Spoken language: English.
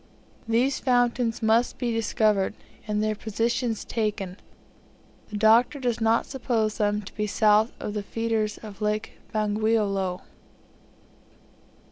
These fountains must be discovered, and their position taken. The Doctor does not suppose them to be south of the feeders of Lake Bangweolo.